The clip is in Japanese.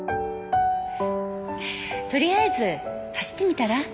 とりあえず走ってみたら？